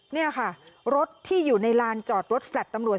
นี่ค่ะรถที่อยู่ในลานจอดรถแลต์ตำรวจ